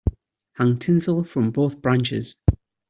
Hang tinsel from both branches.